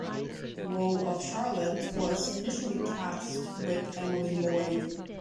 The role of Charlotte was initially cast with Emily Lloyd.